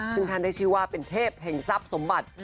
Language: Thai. ซึ่งท่านได้ชื่อว่าเป็นเทพแห่งทรัพย์สมบัติ